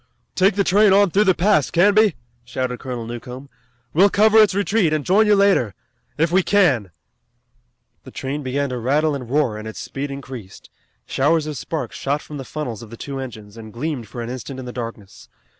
"Take the train on through the pass, Canby!" shouted Colonel Newcomb. "We'll cover its retreat, and join you later if we can." The train began to rattle and roar, and its speed increased. Showers of sparks shot from the funnels of the two engines, and gleamed for an instant in the darkness.